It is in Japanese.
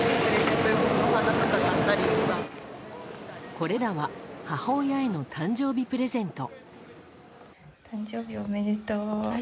これらは母親への誕生日プレゼント。